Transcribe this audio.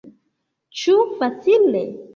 Ĉu facile?